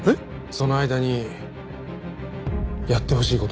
その間にやってほしい事が。